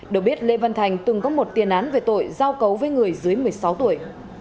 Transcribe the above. được biết lê văn thành từng có một tiền án về tội giao cấu với người dưới một mươi sáu tuổi